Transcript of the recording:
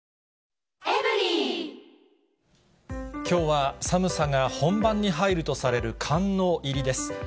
きょうは寒さが本番に入るとされる寒の入りです。